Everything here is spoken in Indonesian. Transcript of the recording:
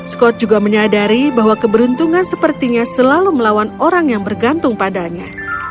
scott juga menyadari bahwa keberuntungan sepertinya selalu melawan orang yang bergantung padanya